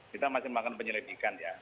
kita masih melakukan penyelidikan ya